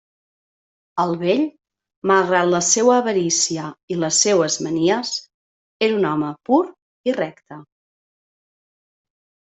El vell, malgrat la seua avarícia i les seues manies, era un home pur i recte.